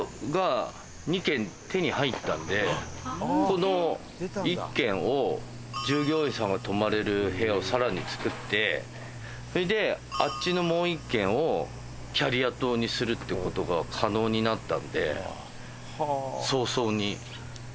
この１軒を従業員さんが泊まれる部屋をさらに造ってそれであっちのもう１軒をキャリア棟にするってことが可能になったんで。